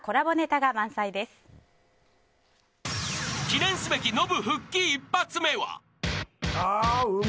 記念すべきノブ復帰１発目は。